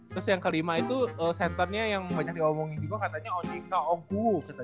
terus yang kelima itu centernya yang banyak diomongin juga katanya ozika ongku